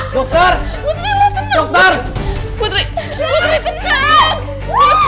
dokter dokter putri putri tenang